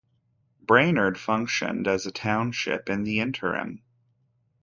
Brainerd functioned as a township in the interim.